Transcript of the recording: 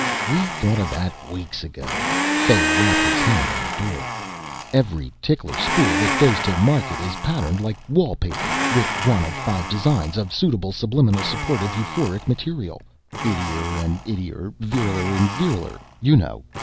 "We thought of that weeks ago," Fay rapped, his hand on the door. "Every tickler spool that goes to market is patterned like wallpaper with one of five designs of suitable subliminal supportive euphoric material. 'Ittier and ittier,' 'viriler and viriler' you know.